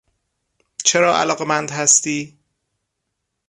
چرا علاقمند هستی؟